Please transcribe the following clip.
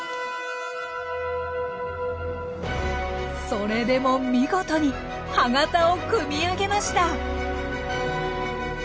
それでも見事に歯型を組み上げました！